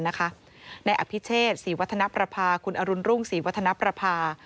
นายอภิเชษศรีวัฒนประพาคุณอรุณรุ่งศรีวัฒนประภา